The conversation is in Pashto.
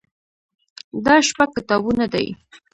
دا شپږ کتابونه دي.